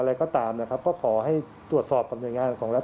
อะไรก็ตามก็ขอให้ตัวสอบกำเนินงานของรัฐ